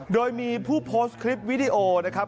โดยมีผู้โพสต์คลิปวิดีโอนะครับ